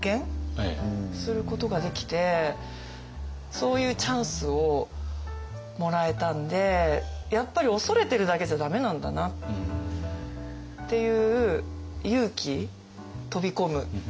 そういうチャンスをもらえたんでやっぱり恐れてるだけじゃ駄目なんだなっていう勇気飛び込む。